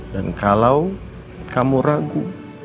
dan kalau kamu ragu